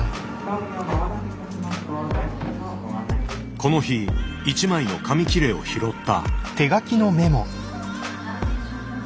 この日一枚の紙切れを拾った。